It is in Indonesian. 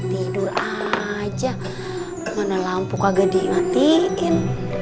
tidur aja mana lampu kaget dihatiin